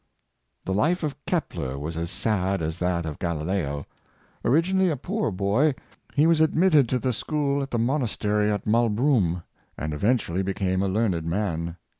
'' The life of Kepler was as sad as that of Galileo. Originally a poor boy, he was admitted to the school at the monastery of Maulbroom, and eventually became a learned man.